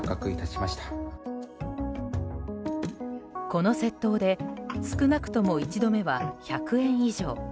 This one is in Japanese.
この窃盗で少なくとも１度目は１００円以上。